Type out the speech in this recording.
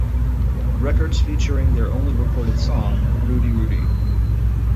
Records featuring their only recorded song, Rudy, Rudy.